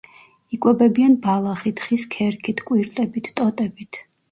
იკვებებიან ბალახით, ხის ქერქით, კვირტებით, ტოტებით.